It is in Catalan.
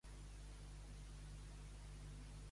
La meva marisqueria preferida compta amb servei a domicili?